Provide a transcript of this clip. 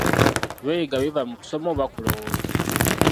By'oyiga biva mu kusoma oba kulowooza?